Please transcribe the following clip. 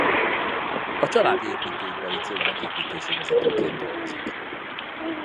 A családi építőipari cégben építési vezetőként dolgozik.